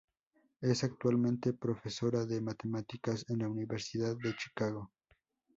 Es actualmente profesora de matemáticas en la Universidad de Chicago.